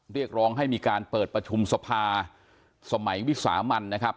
เรียกร้องให้มีการเปิดประชุมสภาสมัยวิสามันนะครับ